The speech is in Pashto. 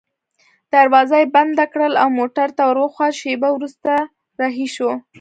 دروازه يې بنده کړل او موټر ته وروخوت، شېبه وروسته رهي شوو.